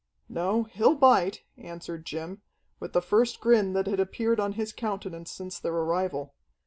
"No, he'll bite," answered Jim, with the first grin that had appeared on his countenance since their arrival.